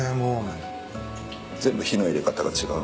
全部火の入れ方が違う。